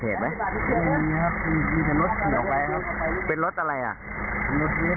เอ่อแล้วยังไงเราขี่รถมาดูอะไม่ได้ขี่ดูครับ